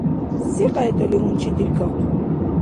Секьяйдали гьунчидиркахъу?